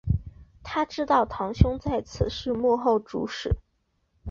她知道堂兄在此事幕后主使。